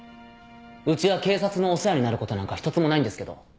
うちは警察のお世話になることなんか一つもないんですけど